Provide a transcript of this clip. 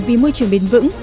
vì môi trường bền vững